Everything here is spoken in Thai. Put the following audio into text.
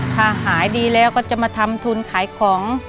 ถ้าหายดีแล้วก็จะมาทำทุนขายของ